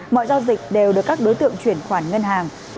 mọi giao dịch đều được các đối tượng chuyển khoản ngân hàng